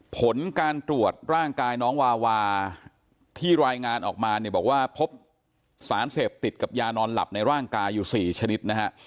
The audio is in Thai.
ผลการตรวจร่างกายน้องวาวาที่รายงานออกมาเนี่ยบอกว่าพบสารเสพติดกับยานอนหลับในร่างกายอยู่๔ชนิดนะฮะ